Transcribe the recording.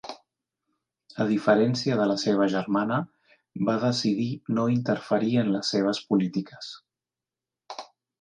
A diferència de la seva germana, va decidir no interferir en les seves polítiques.